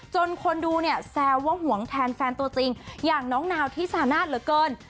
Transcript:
คนดูเนี่ยแซวว่าห่วงแทนแฟนตัวจริงอย่างน้องนาวที่สานาทเหลือเกิน